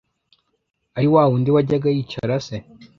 ari wa wundi wajyaga yicara se